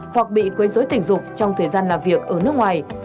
hoặc bị quấy dối tình dục trong thời gian làm việc ở nước ngoài